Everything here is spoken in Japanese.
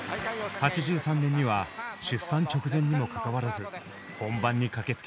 ８３年には出産直前にもかかわらず本番に駆けつけました。